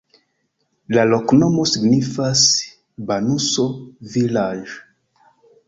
La loknomo signifas: banuso-vilaĝ'.